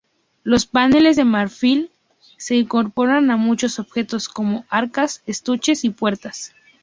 Los paneles de marfil se incorporaban a muchos objetos, como arcas, estuches y puertas.